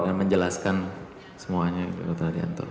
dan menjelaskan semuanya dokter adianto